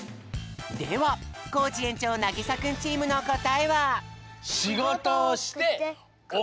ではコージ園長なぎさくんチームのこたえは？